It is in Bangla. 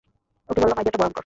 ওকে বললাম আইডিয়াটা ভয়ঙ্কর।